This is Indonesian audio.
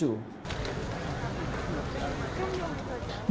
itu dianggap sebagai bentuk pengalihan isu